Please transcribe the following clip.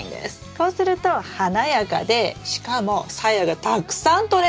こうすると華やかでしかもサヤがたくさんとれるんです。